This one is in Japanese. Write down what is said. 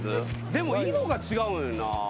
でも色が違うんよな。